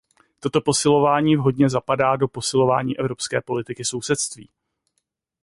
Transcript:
Toto posilování vhodně zapadá do posilování evropské politiky sousedství.